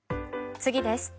次です。